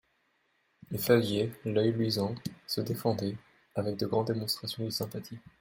Et Favier, l'oeil luisant, se défendait, avec de grandes démonstrations de sympathie.